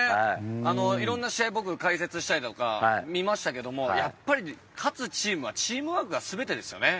いろんな試合を解説したり見ましたけどやっぱり勝つチームはチームワークが全てですよね。